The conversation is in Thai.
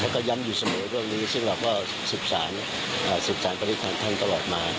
ก็ย้ำอยู่เสมอเรื่องนี้ซึ่งเราก็สิบสารสิบสารปฏิภัณฑ์ท่านตลอดมา